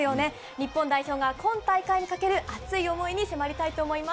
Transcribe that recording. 日本代表が今大会に懸ける熱い思いに迫りたいと思います。